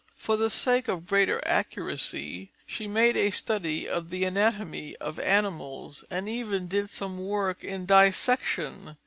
For the sake of greater accuracy, she made a study of the anatomy of animals, and even did some work in dissection.